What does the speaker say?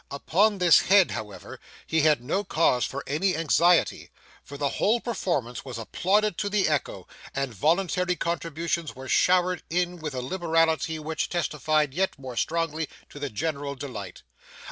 Upon this head, however, he had no cause for any anxiety, for the whole performance was applauded to the echo, and voluntary contributions were showered in with a liberality which testified yet more strongly to the general delight.